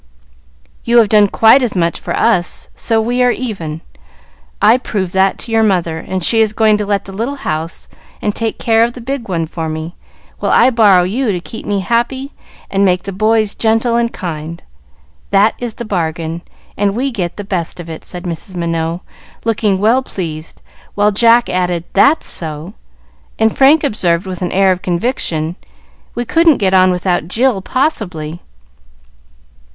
"You have done quite as much for us; so we are even. I proved that to your mother, and she is going to let the little house and take care of the big one for me, while I borrow you to keep me happy and make the boys gentle and kind. That is the bargain, and we get the best of it," said Mrs. Minot, looking well pleased, while Jack added, "That's so!" and Frank observed with an air of conviction, "We couldn't get on without Jill, possibly."